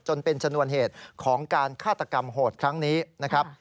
จนเป็นชนวนเหตุของการฆาตกรรมโหดครั้งนี้นะครับ